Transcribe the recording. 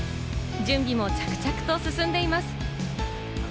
準備も着々と進んでいます。